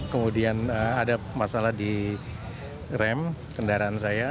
kemudian ada masalah di rem kendaraan saya